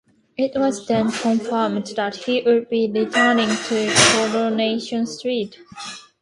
It was then confirmed that he would be returning to "Coronation Street".